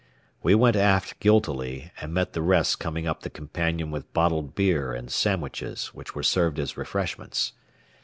We went aft guiltily, and met the rest coming up the companion with bottled beer and sandwiches which were served as refreshments.